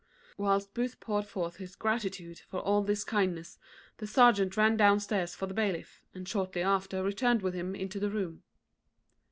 Whilst Booth poured forth his gratitude for all this kindness, the serjeant ran down stairs for the bailiff, and shortly after returned with him into the room.